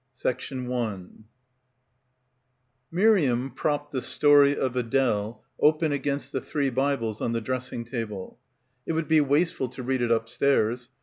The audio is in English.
74 CHAPTER III MIRIAM propped "The Story of Adele" open against the three Bibles on the dress ing table. It would be wasteful to read it up stairs.